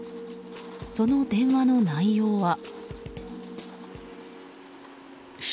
その電話の内容は。